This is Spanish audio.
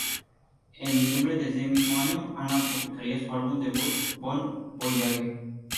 En diciembre de ese mismo año, Anna publicaría su álbum debut "Bon Voyage".